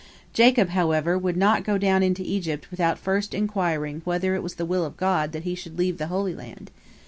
Jacob, however, would not go down into Egypt without first inquiring whether it was the will of God that he should leave the Holy Land.